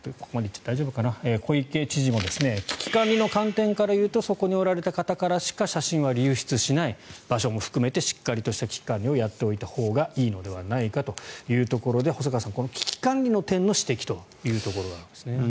小池知事も危機管理の観点から言うとそこにおられた方からしか写真は流出しない場所も含めてしっかりとした危機管理をやっておいたほうがいいのではないかということで細川さん、この危機管理の観点の指摘ということです。